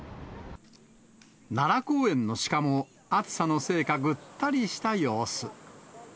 奈良公園の鹿も、暑さのせいかぐったりした様子。